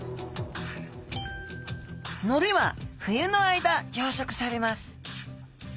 のりは冬の間養殖されます。